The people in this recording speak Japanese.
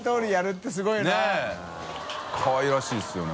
佑かわいらしいですよね